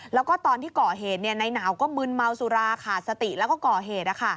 แล้วก็ตอนที่ก่อเหตุนายหนาวก็มึนเมาสุราขาดสติแล้วก็ก่อเหตุ